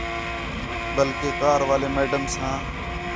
بلکہ کار والے میڈم ساں